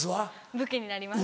武器になります。